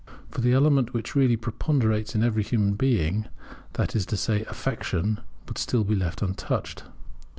For the element which really preponderates in every human being, that is to say, Affection, would still be left untouched.